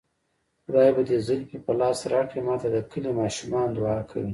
خدای به دې زلفې په لاس راکړي ماته د کلي ماشومان دوعا کوينه